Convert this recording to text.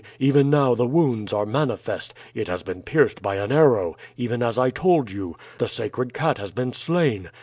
even now the wounds are manifest; it has been pierced by an arrow, even as I told you. The sacred cat has been slain!'